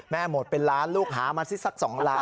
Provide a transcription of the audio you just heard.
หมดเป็นล้านลูกหามาสิสัก๒ล้าน